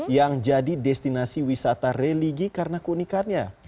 yang jadi destinasi wisata religi karena keunikannya